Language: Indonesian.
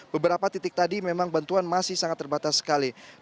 beberapa titik tadi memang bantuan masih sangat terbatas sekali